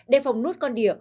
để phòng nút con đỉa